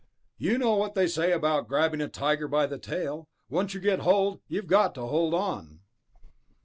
"You know what they say about grabbing a tiger by the tail ... once you get hold, you've got to hold on."